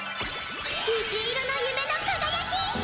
虹色の夢の輝き！